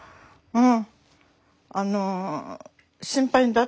うん。